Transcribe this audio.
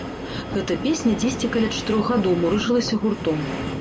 Гэта песня дзесьці каля чатырох гадоў мурыжылася гуртом.